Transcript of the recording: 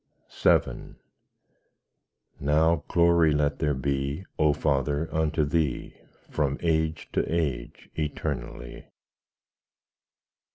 VII Now glory let there be, O Father, unto Thee, From age to age eternally.